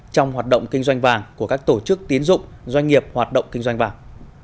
trong hoạt động kinh doanh vàng của các tổ chức tiến dụng doanh nghiệp hoạt động kinh doanh vàng